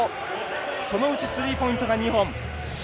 そのうちスリーポイントが２本。